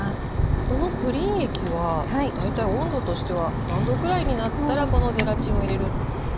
このプリン液は大体温度としては何度ぐらいになったらこのゼラチンを入れる？